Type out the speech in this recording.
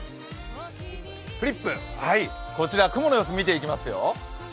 フリップで雲の様子を見ていきますよ。